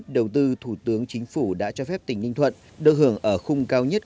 đầu tư thủ tướng chính phủ đã cho phép tỉnh ninh thuận được hưởng ở khung cao nhất